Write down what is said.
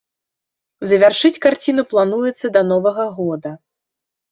Завяршыць карціну плануецца да новага года.